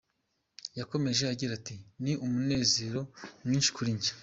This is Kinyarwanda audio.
Yakomeje agira ati “Ni umunezero mwinshi kuri njye.